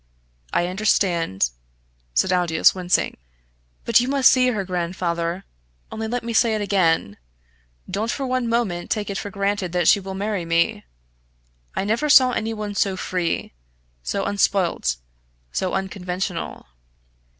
"I understand," said Aldous, wincing. "But you must see her, grandfather. Only, let me say it again don't for one moment take it for granted that she will marry me. I never saw any one so free, so unspoilt, so unconventional."